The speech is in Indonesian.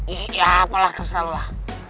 ya apalah kesel lah